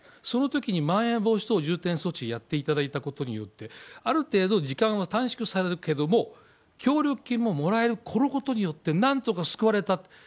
そのときに、まん延防止等重点措置やっていただいたことによって、ある程度時間は短縮されるけれども、協力金ももらえる、このことによって、なんとか救われた。